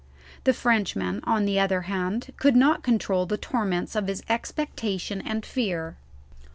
The Frenchman, on the other hand, could not control the torments of his expectation and fear.